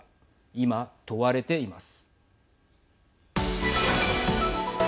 今、問われています。